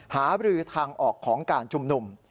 หาบรือทางออกของการชุมนุม